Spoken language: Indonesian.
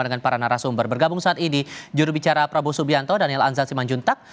dengan para narasumber bergabung saat ini jurubicara prabowo subianto daniel anzal simanjuntak